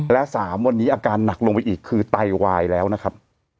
และ๓วันนี้อาการหนักลงไปอีกคือไตวายแล้วนะครับ